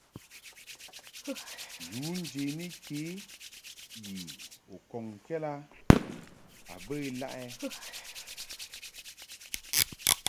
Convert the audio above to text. Yu njeni ke yi u kɔŋkɛd a bə ilaʼɛ ?